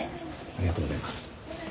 ありがとうございます。